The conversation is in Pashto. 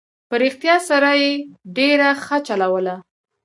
په رښتیا سره یې ډېره ښه چلوله.